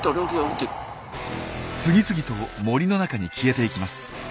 次々と森の中に消えていきます。